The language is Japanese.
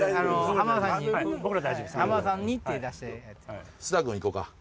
浜田さんにって出したやつなんで。